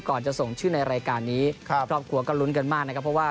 ก่อนจะส่งชื่อในรายการนี้ครอบครัวก็รุ้นกันมากนะคะ